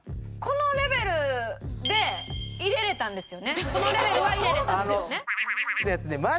このレベルは入れられたんですよね？